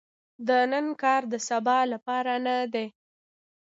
د نن کار د سبا لپاره نه دي .